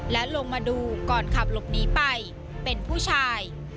และลงมาดูก่อนขับหลบหนีไปเป็นผู้ชาย